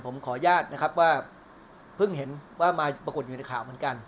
ผมขออนุญาตนะครับว่าเพิ่งเห็นว่ามาปรากฏอยู่ในข่าวเหมือนกัน